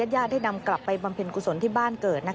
ญาติได้นำกลับไปบำเพ็ญกุศลที่บ้านเกิด